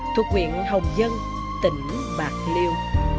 thuộc quyện hồng dân tỉnh bạc liêu